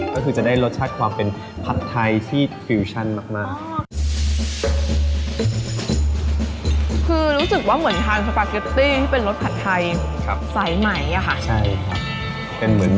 มันคือจะได้รสชาติความเป็นผัดไทยที่ผิวชั่นมากคือรู้สึกว่าเหมือนทานสปาเก็ตตี้เป็นรสผัดไทยครับไซส์ใหม่อ่ะค่ะใช่ครับเป็นเหมือน